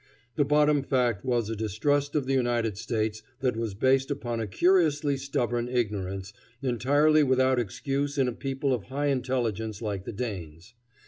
The bottom fact was a distrust of the United States that was based upon a curiously stubborn ignorance, entirely without excuse in a people of high intelligence like the Danes.